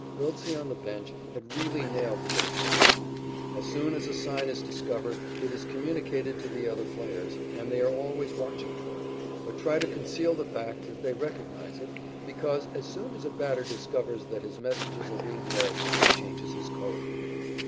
Wiltse on the bench had really nailed the base runner. As soon as a sign is discovered it is communicated to the other players, and they are always watching for it, but try to conceal the fact that they recognize it, because, as soon as a batter discovers that his messages are being read, he changes his code.